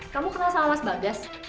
kamu kenal sama mas bagas